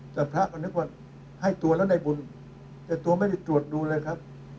แต่พระก็นึกว่าให้ตัวแล้วในบุญแต่ตัวไม่ได้ตรวจดูเลยครับ